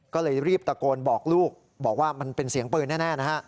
ก็เลยรีบตะโกนบอกลูกบอกว่ามันเป็นเสียงปืนแน่นะฮะ